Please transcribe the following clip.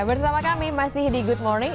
bersama kami masih di good morning